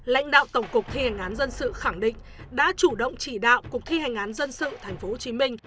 lãnh đạo tổng cục thi hành án dân sự khẳng định đã chủ động chỉ đạo cục thi hành án dân sự tp hcm